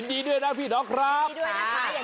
ไม่ได้ช่อง